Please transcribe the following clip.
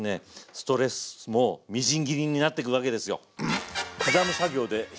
ストレスもみじん切りになっていくわけですよ。